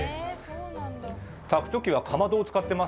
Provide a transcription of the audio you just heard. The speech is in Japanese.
炊く時はかまどを使ってます。